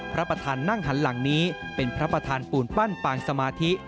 พระประธานนั่งหันหลังนี้เป็นพระประธานปูนปั้นปางสมาธิ